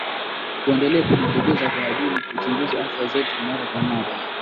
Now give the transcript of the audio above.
tuendelee kujitokeza kwa ajili ya kuchunguzwa afya zetu mara kwa mara